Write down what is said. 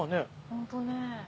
ホントね。